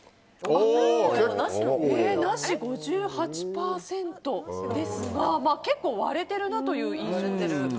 なしが５８％ですが結構、割れてるなという印象です。